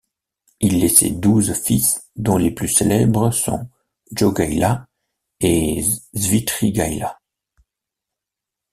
Il laissait douze fils dont les plus célèbres sont Jogaila et Švitrigaila.